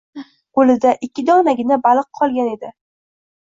Qo`lida ikki donagina baliq qolgan edi